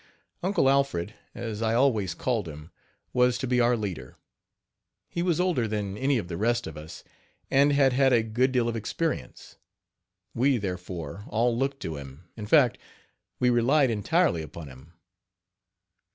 Uncle Alfred, as I always called him, was to be our leader. He was older than any of the rest of us, and had had a good deal of experience; we, therefore, all looked to him in fact, we relied entirely upon him.